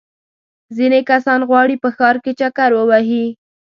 ځینې کسان غواړي په ښار کې چکر ووهي.